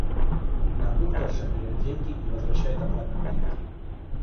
Кондукторша берёт деньги и возвращает обратно билет.